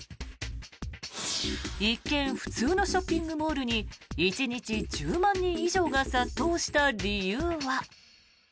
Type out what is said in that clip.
一見普通のショッピングモールに１日１０万人以上が殺到した理由は。